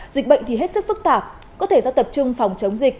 dịch bệnh thì hết sức phức tạp có thể do tập trung phòng chống dịch